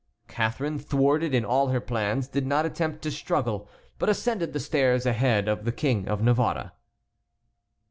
Catharine, thwarted in all her plans, did not attempt to struggle, but ascended the stairs ahead of the King of Navarre.